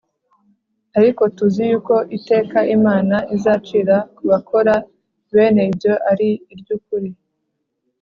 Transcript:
Ariko tuzi yuko iteka Imana izacira ku bakora bene ibyo ari iry’ukuri.